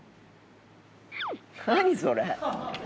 何それ？